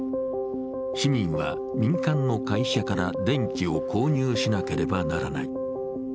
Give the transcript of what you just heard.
市民は民間の会社から電気を購入しなければならない。